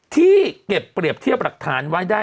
ที่เก็บเปรียบเทียบหลักฐานไว้ได้